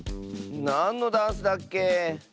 なんのダンスだっけ？